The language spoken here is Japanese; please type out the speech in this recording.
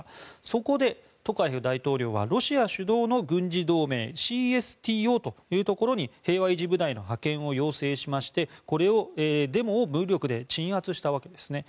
そこでトカエフ大統領はロシア主導の軍事同盟ＣＳＴＯというところに平和維持部隊の派遣を要請しましてデモを武力で鎮圧したわけですね。